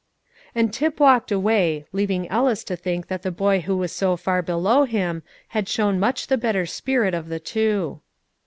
And Tip walked away, leaving Ellis to think that the boy who was so far below him had shown much the better spirit of the two.